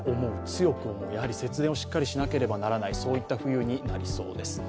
「強く思う」、やはり節電をしっかりしなければならない、そういった冬になりそうですね。